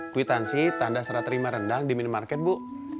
kuitansi tanda serat terima rendang di minimarket bu